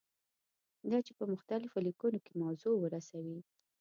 دا چې په مختلفو لیکنو کې موضوع ورسوي.